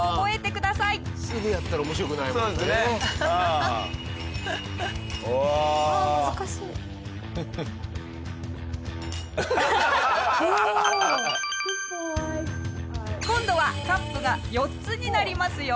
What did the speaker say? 下平：今度はカップが４つになりますよ。